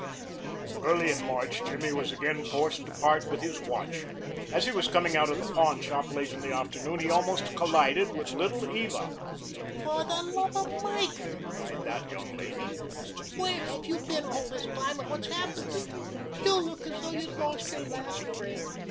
Early in March Jimmy was again forced to part with his watch. As he was coming out of the pawn shop late in the afternoon he almost collided with Little Eva. "For the love of Mike!" cried that young lady, "where have you been all this time, and what's happened to you? You look as though you'd lost your last friend."